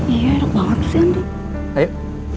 iya enak banget sih andin